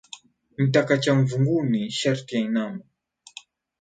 Mtaka cha mvunguni sharti ainame.